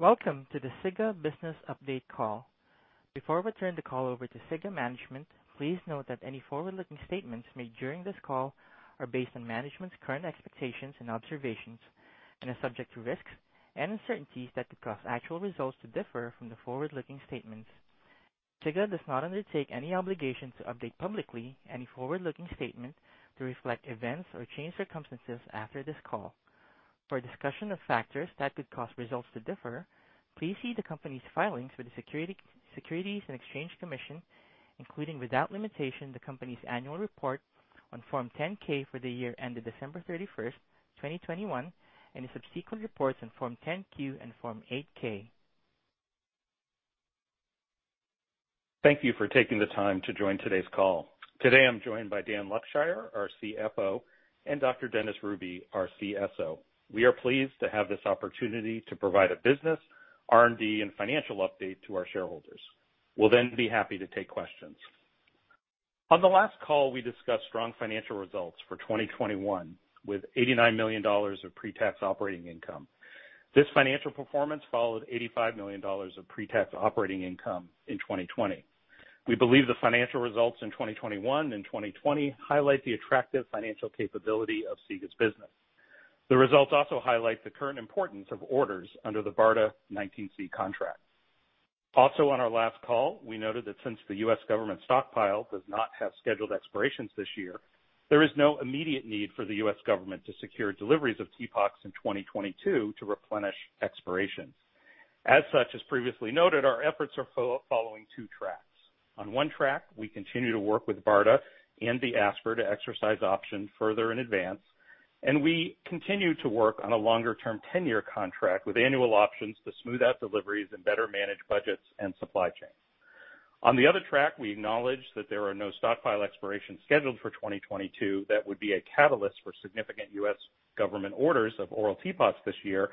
Welcome to the SIGA Business Update Call. Before we turn the call over to SIGA management, please note that any forward-looking statements made during this call are based on management's current expectations and observations and are subject to risks and uncertainties that could cause actual results to differ from the forward-looking statements. SIGA does not undertake any obligation to update publicly any forward-looking statement to reflect events or change circumstances after this call. For a discussion of factors that could cause results to differ, please see the company's filings with the Securities and Exchange Commission, including, without limitation, the company's annual report on Form 10-K for the year ended December 31st, 2021, and subsequent reports on Form 10-Q and Form 8-K. Thank you for taking the time to join today's call. Today I'm joined by Daniel J. Luckshire, our CFO, and Dr. Dennis E. Hruby, our CSO. We are pleased to have this opportunity to provide a business, R&D and financial update to our shareholders. We'll then be happy to take questions. On the last call, we discussed strong financial results for 2021, with $89 million of pre-tax operating income. This financial performance followed $85 million of pre-tax operating income in 2020. We believe the financial results in 2021 and 2020 highlight the attractive financial capability of SIGA's business. The results also highlight the current importance of orders under the BARDA 19-C contract. Also on our last call, we noted that since the U.S. government stockpile does not have scheduled expirations this year, there is no immediate need for the U.S. government to secure deliveries of TPOXX in 2022 to replenish expirations. As such, as previously noted, our efforts are following two tracks. On one track, we continue to work with BARDA and the ASPR to exercise options further in advance, and we continue to work on a longer term 10-year contract with annual options to smooth out deliveries and better manage budgets and supply chains. On the other track, we acknowledge that there are no stockpile expirations scheduled for 2022 that would be a catalyst for significant U.S. government orders of oral TPOXX this year.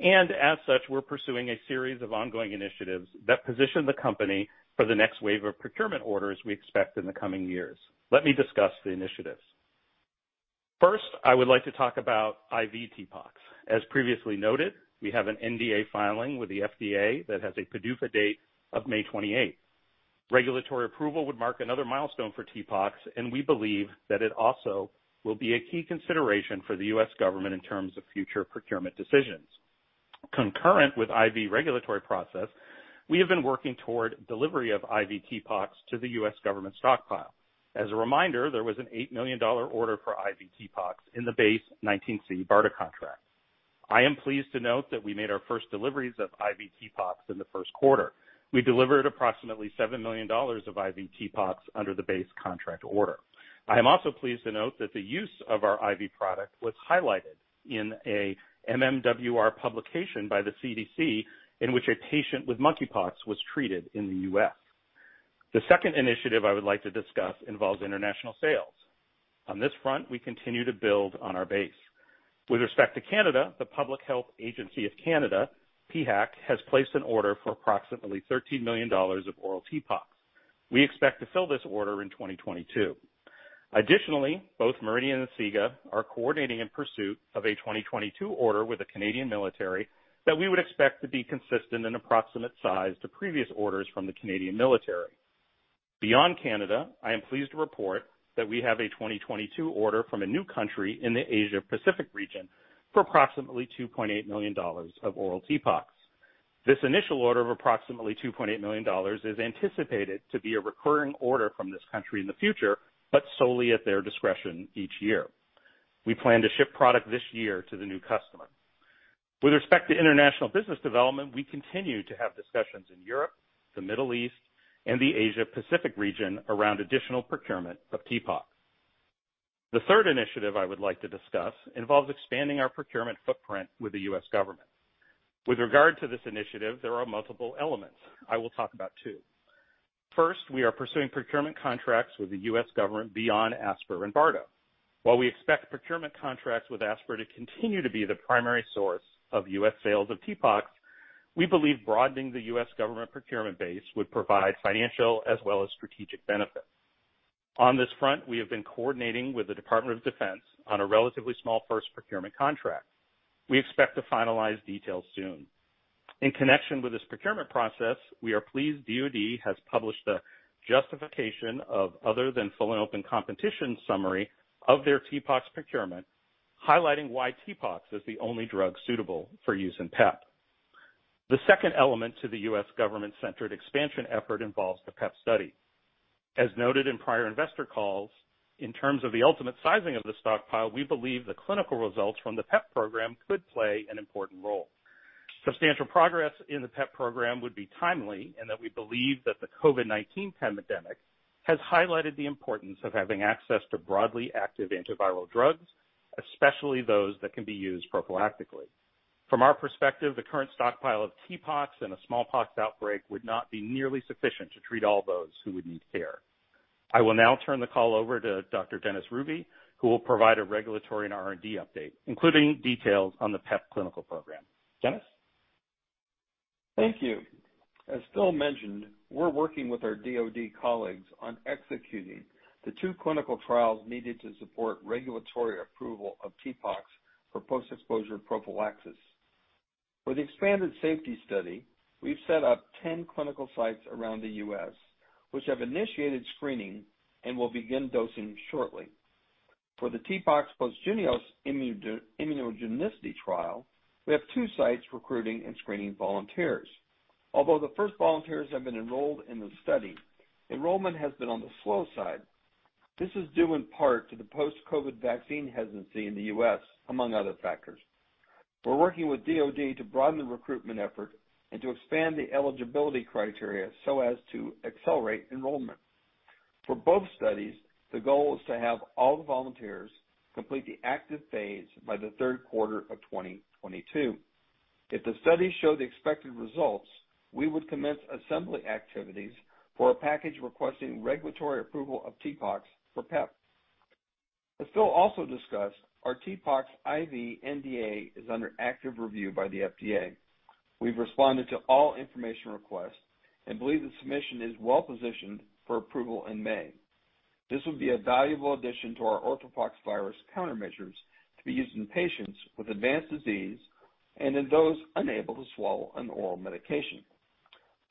As such, we're pursuing a series of ongoing initiatives that position the company for the next wave of procurement orders we expect in the coming years. Let me discuss the initiatives. First, I would like to talk about IV TPOXX. As previously noted, we have an NDA filing with the FDA that has a PDUFA date of May 28. Regulatory approval would mark another milestone for TPOXX, and we believe that it also will be a key consideration for the U.S. government in terms of future procurement decisions. Concurrent with IV regulatory process, we have been working toward delivery of IV TPOXX to the U.S. government stockpile. As a reminder, there was an $8 million order for IV TPOXX in the base 19-C BARDA contract. I am pleased to note that we made our first deliveries of IV TPOXX in the Q1. We delivered approximately $7 million of IV TPOXX under the base contract order. I am also pleased to note that the use of our IV product was highlighted in a MMWR publication by the CDC, in which a patient with monkeypox was treated in the U.S. The second initiative I would like to discuss involves international sales. On this front, we continue to build on our base. With respect to Canada, the Public Health Agency of Canada, PHAC, has placed an order for approximately $13 million of oral TPOXX. We expect to fill this order in 2022. Additionally, both Meridian and SIGA are coordinating in pursuit of a 2022 order with the Canadian military that we would expect to be consistent in approximate size to previous orders from the Canadian military. Beyond Canada, I am pleased to report that we have a 2022 order from a new country in the Asia Pacific region for approximately $2.8 million of oral TPOXX. This initial order of approximately $2.8 million is anticipated to be a recurring order from this country in the future, but solely at their discretion each year. We plan to ship product this year to the new customer. With respect to international business development, we continue to have discussions in Europe, the Middle East, and the Asia Pacific region around additional procurement of TPOXX. The third initiative I would like to discuss involves expanding our procurement footprint with the U.S. government. With regard to this initiative, there are multiple elements. I will talk about two. First, we are pursuing procurement contracts with the U.S. government beyond ASPR and BARDA. While we expect procurement contracts with ASPR to continue to be the primary source of U.S. sales of TPOXX, we believe broadening the U.S. government procurement base would provide financial as well as strategic benefits. On this front, we have been coordinating with the Department of Defense on a relatively small first procurement contract. We expect to finalize details soon. In connection with this procurement process, we are pleased, DoD has published a justification of other than full and open competition summary of their TPOXX procurement, highlighting why TPOXX is the only drug suitable for use in PEP. The second element to the U.S. government-centered expansion effort involves the PEP study. As noted in prior investor calls, in terms of the ultimate sizing of the stockpile, we believe the clinical results from the PEP program could play an important role. Substantial progress in the PEP program would be timely, and that we believe that the COVID-19 pandemic has highlighted the importance of having access to broadly active antiviral drugs, especially those that can be used prophylactically. From our perspective, the current stockpile of TPOXX in a smallpox outbreak would not be nearly sufficient to treat all those who would need care. I will now turn the call over to Dr. Dennis E. Hruby, who will provide a regulatory and R&D update, including details on the PEP clinical program. Dennis? Thank you. As Phil mentioned, we're working with our DoD colleagues on executing the two clinical trials needed to support regulatory approval of TPOXX for post-exposure prophylaxis. For the expanded safety study, we've set up 10 clinical sites around the U.S. which have initiated screening and will begin dosing shortly. For the TPOXX post-Jynneos immunogenicity trial, we have two sites recruiting and screening volunteers. Although the first volunteers have been enrolled in the study, enrollment has been on the slow side. This is due in part to the post-COVID vaccine hesitancy in the U.S. among other factors. We're working with DoD to broaden the recruitment effort and to expand the eligibility criteria so as to accelerate enrollment. For both studies, the goal is to have all the volunteers complete the active phase by the Q3 of 2022. If the studies show the expected results, we would commence assembly activities for a package requesting regulatory approval of TPOXX for PEP. As Phil also discussed, our TPOXX IV NDA is under active review by the FDA. We've responded to all information requests and believe the submission is well-positioned for approval in May. This would be a valuable addition to our orthopox virus countermeasures to be used in patients with advanced disease and in those unable to swallow an oral medication.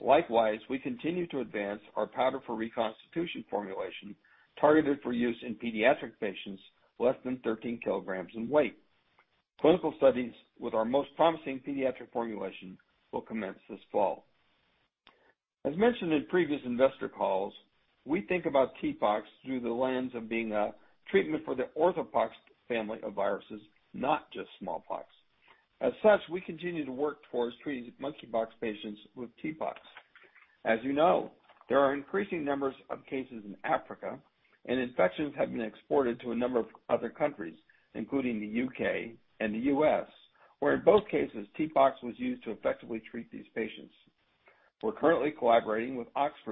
Likewise, we continue to advance our powder for reconstitution formulation targeted for use in pediatric patients less than 13 kilograms in weight. Clinical studies with our most promising pediatric formulation will commence this fall. As mentioned in previous investor calls, we think about TPOXX through the lens of being a treatment for the orthopox family of viruses, not just smallpox. As such, we continue to work towards treating monkeypox patients with TPOXX. As you know, there are increasing numbers of cases in Africa, and infections have been exported to a number of other countries, including the U.K. and the U.S., where in both cases, TPOXX was used to effectively treat these patients. We're currently collaborating with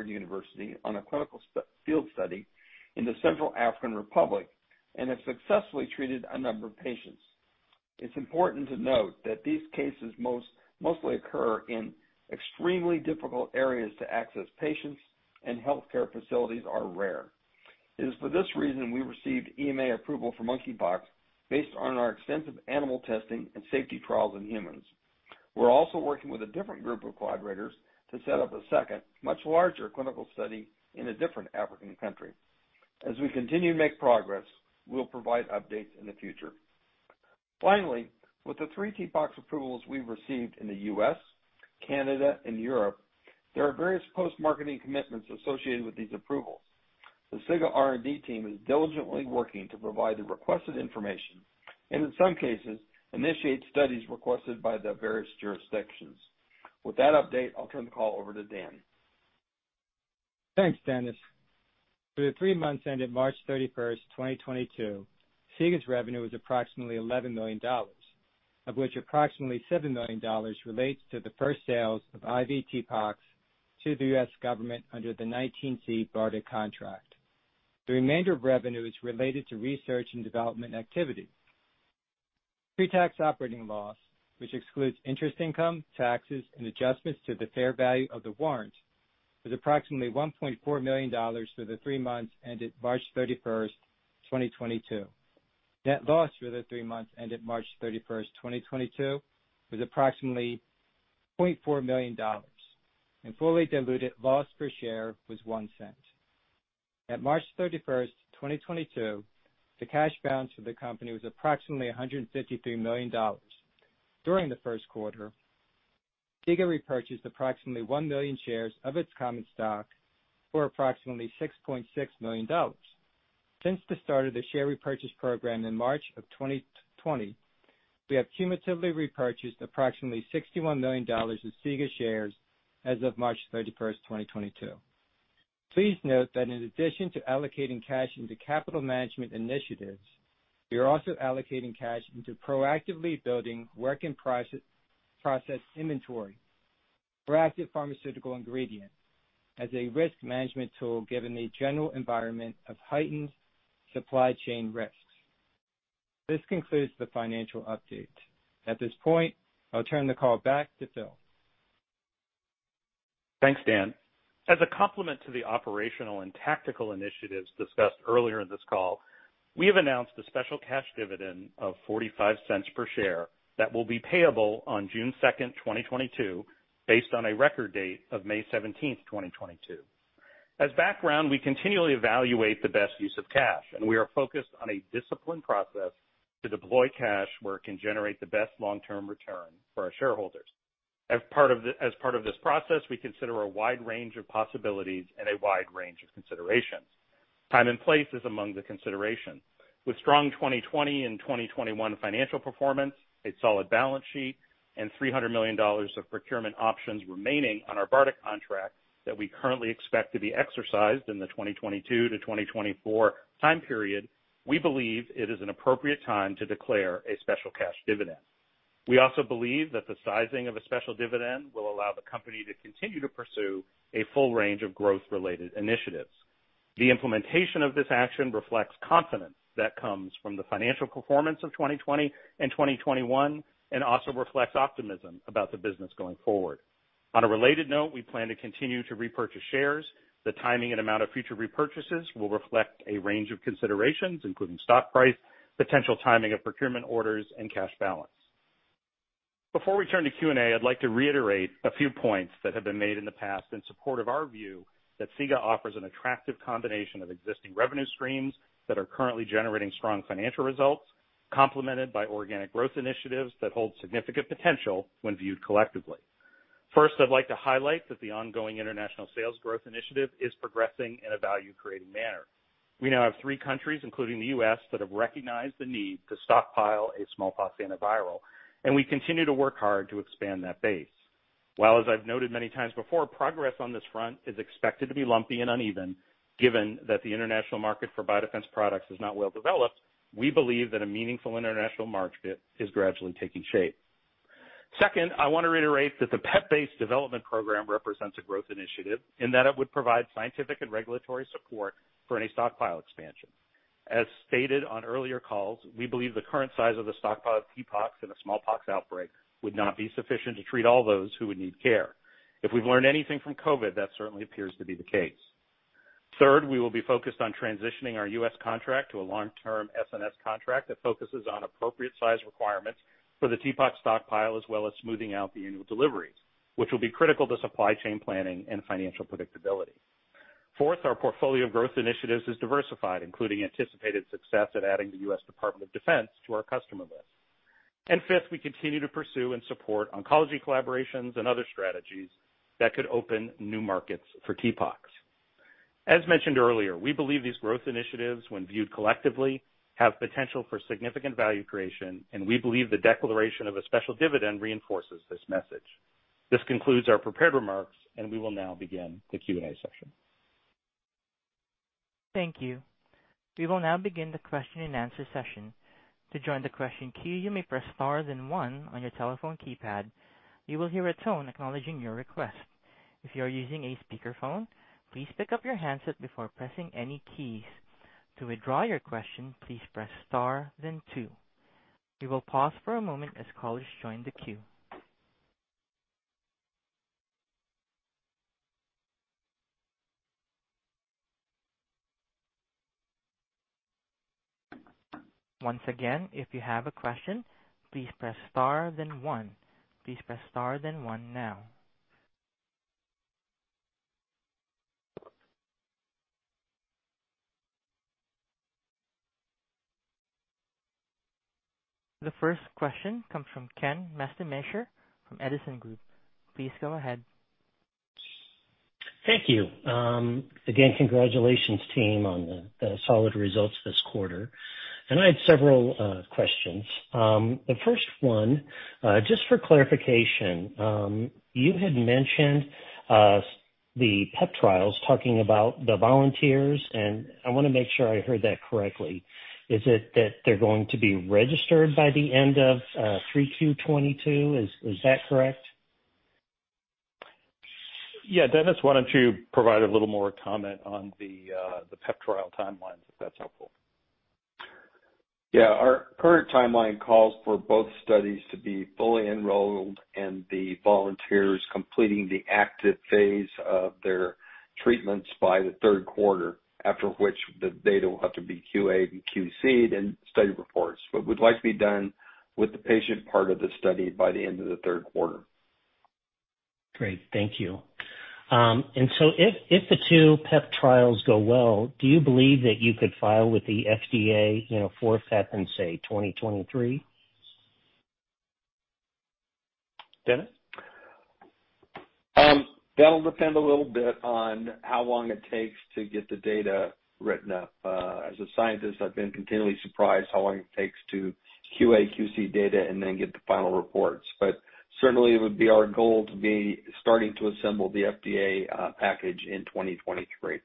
University of Oxford on a clinical field study in the Central African Republic and have successfully treated a number of patients. It's important to note that these cases mostly occur in extremely difficult areas to access patients and healthcare facilities are rare. It is for this reason we received EMA approval for monkeypox based on our extensive animal testing and safety trials in humans. We're also working with a different group of collaborators to set up a second, much larger clinical study in a different African country. As we continue to make progress, we'll provide updates in the future. Finally, with the three TPOXX approvals we've received in the U.S., Canada, and Europe, there are various post-marketing commitments associated with these approvals. The SIGA R&D team is diligently working to provide the requested information and in some cases, initiate studies requested by the various jurisdictions. With that update, I'll turn the call over to Dan. Thanks, Dennis. For the three months ended March 31, 2022, SIGA's revenue was approximately $11 million, of which approximately $7 million relates to the first sales of IV TPOXX to the U.S. government under the 19-C BARDA contract. The remainder of revenue is related to research and development activity. Pre-tax operating loss, which excludes interest income, taxes, and adjustments to the fair value of the warrant, was approximately $1.4 million for the three months ended March 31, 2022. Net loss for the three months ended March 31, 2022 was approximately $0.4 million, and fully diluted loss per share was $0.01. At March 31, 2022, the cash balance for the company was approximately $153 million. During the Q1, SIGA repurchased approximately 1 million shares of its common stock for approximately $6.6 million. Since the start of the share repurchase program in March of 2020, we have cumulatively repurchased approximately $61 million of SIGA shares as of March 31, 2022. Please note that in addition to allocating cash into capital management initiatives, we are also allocating cash into proactively building work in process inventory for active pharmaceutical ingredient as a risk management tool, given the general environment of heightened supply chain risks. This concludes the financial update. At this point, I'll turn the call back to Phil. Thanks, Dan. As a complement to the operational and tactical initiatives discussed earlier in this call, we have announced a special cash dividend of $0.45 per share that will be payable on June 2, 2022, based on a record date of May 17, 2022. As background, we continually evaluate the best use of cash, and we are focused on a disciplined process to deploy cash where it can generate the best long-term return for our shareholders. As part of this process, we consider a wide range of possibilities and a wide range of considerations. Time and place is among the consideration. With strong 2020 and 2021 financial performance, a solid balance sheet, and $300 million of procurement options remaining on our BARDA contract that we currently expect to be exercised in the 2022-2024 time period, we believe it is an appropriate time to declare a special cash dividend. We also believe that the sizing of a special dividend will allow the company to continue to pursue a full range of growth-related initiatives. The implementation of this action reflects confidence that comes from the financial performance of 2020 and 2021 and also reflects optimism about the business going forward. On a related note, we plan to continue to repurchase shares. The timing and amount of future repurchases will reflect a range of considerations, including stock price, potential timing of procurement orders and cash balance. Before we turn to Q&A, I'd like to reiterate a few points that have been made in the past in support of our view that SIGA offers an attractive combination of existing revenue streams that are currently generating strong financial results, complemented by organic growth initiatives that hold significant potential when viewed collectively. First, I'd like to highlight that the ongoing international sales growth initiative is progressing in a value-creating manner. We now have three countries, including the U.S., that have recognized the need to stockpile a smallpox antiviral, and we continue to work hard to expand that base. While, as I've noted many times before, progress on this front is expected to be lumpy and uneven, given that the international market for biodefense products is not well developed, we believe that a meaningful international market is gradually taking shape. Second, I want to reiterate that the PEP-based development program represents a growth initiative in that it would provide scientific and regulatory support for any stockpile expansion. As stated on earlier calls, we believe the current size of the stockpile of TPOXX in a smallpox outbreak would not be sufficient to treat all those who would need care. If we've learned anything from COVID, that certainly appears to be the case. Third, we will be focused on transitioning our U.S. contract to a long-term SNS contract that focuses on appropriate size requirements for the TPOXX stockpile, as well as smoothing out the annual deliveries, which will be critical to supply chain planning and financial predictability. Fourth, our portfolio of growth initiatives is diversified, including anticipated success at adding the U.S. Department of Defense to our customer list. Fifth, we continue to pursue and support oncology collaborations and other strategies that could open new markets for TPOXX. As mentioned earlier, we believe these growth initiatives, when viewed collectively, have potential for significant value creation, and we believe the declaration of a special dividend reinforces this message. This concludes our prepared remarks, and we will now begin the Q&A session. Thank you. We will now begin the question-and-answer session. To join the question queue, you may press Star then one on your telephone keypad. You will hear a tone acknowledging your request. If you are using a speakerphone, please pick up your handset before pressing any keys. To withdraw your question, please press Star then two. We will pause for a moment as callers join the queue. Once again, if you have a question, please press Star then one. Please press Star then one now. The first question comes from Ken Mastenmaier from Edison Group. Please go ahead. Thank you. Again, congratulations team on the solid results this quarter. I had several questions. The first one, just for clarification, you had mentioned the PEP trials talking about the volunteers, and I wanna make sure I heard that correctly. Is it that they're going to be registered by the end of Q3 2022? Is that correct? Yeah. Dennis, why don't you provide a little more comment on the PEP trial timelines, if that's helpful. Yeah. Our current timeline calls for both studies to be fully enrolled and the volunteers completing the active phase of their treatments by the Q3, after which the data will have to be QA'd and QC'd and study reports. We'd like to be done with the patient part of the study by the end of the Q3. Great. Thank you. If the two PEP trials go well, do you believe that you could file with the FDA, you know, for PEP in, say, 2023? Dennis? That'll depend a little bit on how long it takes to get the data written up. As a scientist, I've been continually surprised how long it takes to QA/QC data and then get the final reports. Certainly it would be our goal to be starting to assemble the FDA package in 2023.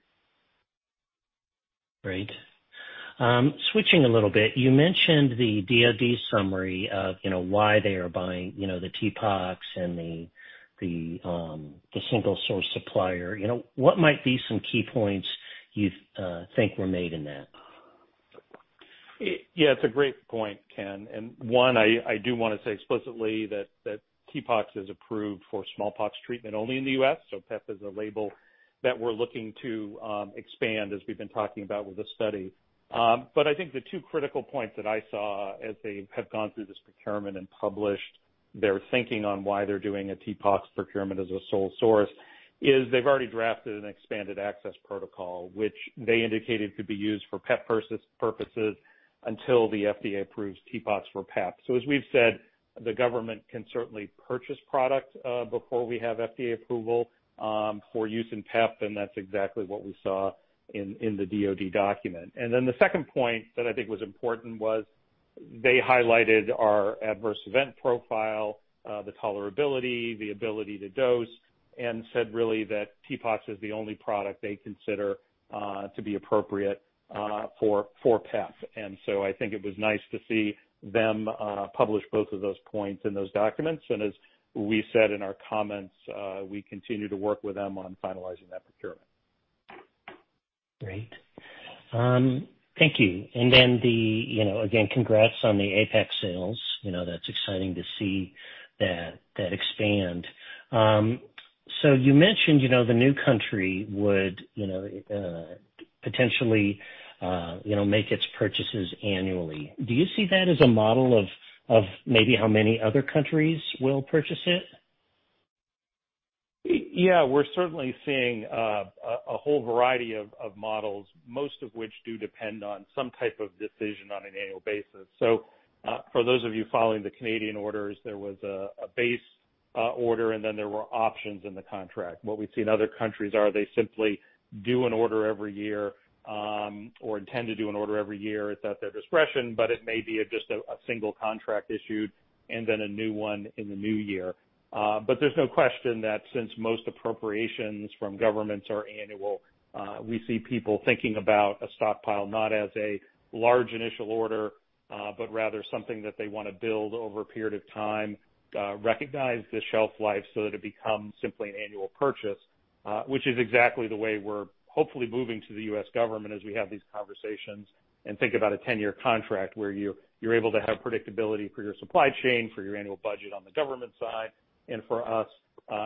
Great. Switching a little bit, you mentioned the DoD summary of, you know, why they are buying, you know, the TPOXX and the single source supplier. You know, what might be some key points you think were made in that? Yeah, it's a great point, Ken. One, I do wanna say explicitly that TPOXX is approved for smallpox treatment only in the U.S. PEP is a label that we're looking to expand as we've been talking about with this study. I think the two critical points that I saw as they have gone through this procurement and published their thinking on why they're doing a TPOXX procurement as a sole source is they've already drafted an expanded access protocol, which they indicated could be used for PEP purposes until the FDA approves TPOXX for PEP. As we've said, the government can certainly purchase product before we have FDA approval for use in PEP, and that's exactly what we saw in the DoD document. The second point that I think was important was they highlighted our adverse event profile, the tolerability, the ability to dose, and said really that TPOXX is the only product they consider to be appropriate for PEP. I think it was nice to see them publish both of those points in those documents. As we said in our comments, we continue to work with them on finalizing that procurement. Great. Thank you. You know, again, congrats on the APAC sales. You know, that's exciting to see that expand. You mentioned, you know, the new country would, you know, potentially, you know, make its purchases annually. Do you see that as a model of maybe how many other countries will purchase it? Yeah. We're certainly seeing a whole variety of models, most of which do depend on some type of decision on an annual basis. For those of you following the Canadian orders, there was a base order, and then there were options in the contract. What we see in other countries is that they simply do an order every year, or intend to do an order every year. It's at their discretion, but it may be just a single contract issued and then a new one in the new year. There's no question that since most appropriations from governments are annual, we see people thinking about a stockpile not as a large initial order, but rather something that they wanna build over a period of time, recognize the shelf life so that it becomes simply an annual purchase, which is exactly the way we're hopefully moving to the U.S. government as we have these conversations and think about a 10-year contract where you're able to have predictability for your supply chain, for your annual budget on the government side and for us,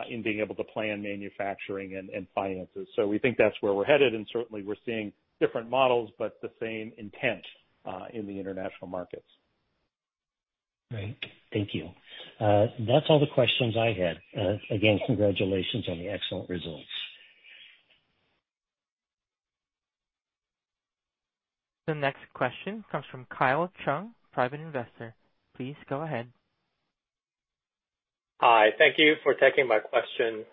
in being able to plan manufacturing and finances. We think that's where we're headed, and certainly we're seeing different models but the same intent, in the international markets. Great. Thank you. That's all the questions I had. Again, congratulations on the excellent results. The next question comes from Kyle Chung, Private Investor. Please go ahead. Hi. Thank you for taking my question.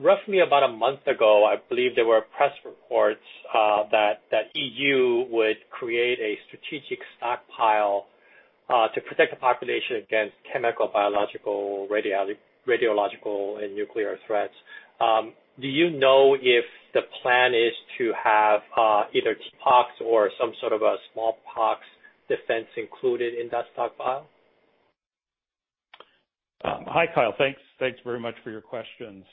Roughly about a month ago, I believe there were press reports that EU would create a strategic stockpile to protect the population against chemical, biological, radiological, and nuclear threats. Do you know if the plan is to have either TPOXX or some sort of a smallpox defense included in that stockpile? Hi, Kyle. Thanks very much for your question.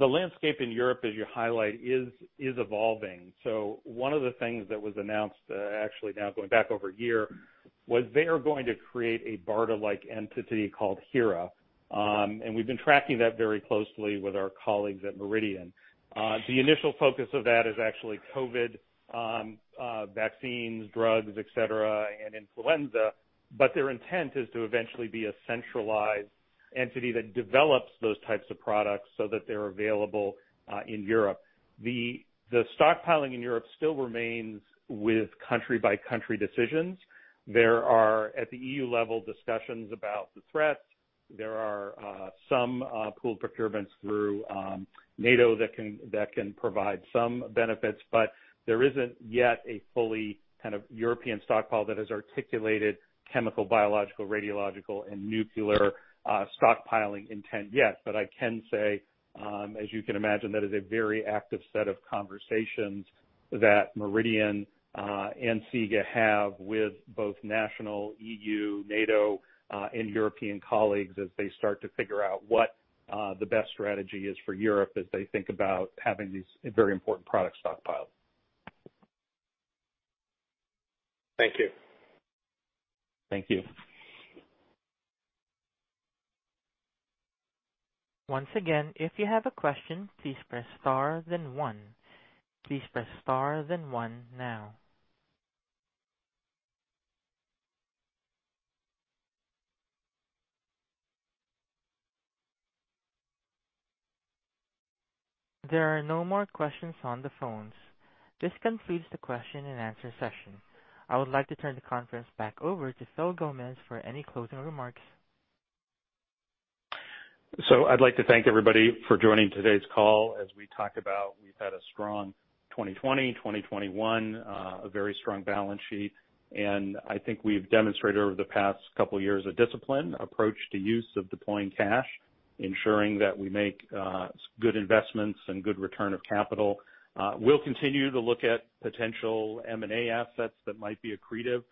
The landscape in Europe, as you highlight, is evolving. One of the things that was announced, actually now going back over a year, was they are going to create a BARDA-like entity called HERA. We've been tracking that very closely with our colleagues at Meridian. The initial focus of that is actually COVID vaccines, drugs, et cetera, and influenza, but their intent is to eventually be a centralized entity that develops those types of products so that they're available in Europe. The stockpiling in Europe still remains with country by country decisions. There are, at the EU level, discussions about the threats. There are some pooled procurements through NATO that can provide some benefits, but there isn't yet a fully kind of European stockpile that has articulated chemical, biological, radiological, and nuclear stockpiling intent yet. I can say, as you can imagine, that is a very active set of conversations that Meridian and SIGA have with both national, EU, NATO, and European colleagues as they start to figure out what the best strategy is for Europe as they think about having these very important products stockpiled. Thank you. Thank you. Once again, if you have a question, please press star then one. Please press star then one now. There are no more questions on the phones. This concludes the question and answer session. I would like to turn the conference back over to Phillip Gomez for any closing remarks. I'd like to thank everybody for joining today's call. As we talked about, we've had a strong 2020, 2021, a very strong balance sheet. I think we've demonstrated over the past couple years a disciplined approach to use and deploying cash, ensuring that we make good investments and good return of capital. We'll continue to look at potential M&A assets that might be accretive,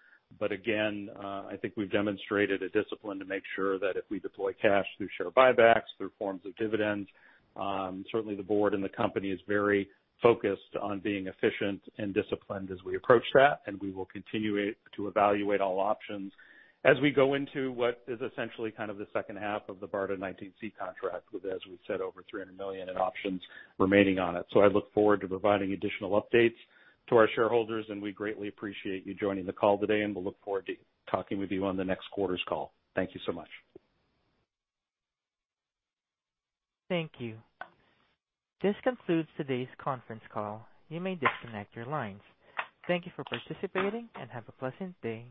but again, I think we've demonstrated a discipline to make sure that if we deploy cash through share buybacks, through forms of dividends, certainly the board and the company is very focused on being efficient and disciplined as we approach that, and we will continue to evaluate all options as we go into what is essentially kind of the second half of the BARDA 19-C contract with, as we've said, over $300 million in options remaining on it. I look forward to providing additional updates to our shareholders, and we greatly appreciate you joining the call today, and we'll look forward to talking with you on the next quarter's call. Thank you so much. Thank you. This concludes today's conference call. You may disconnect your lines. Thank you for participating, and have a pleasant day.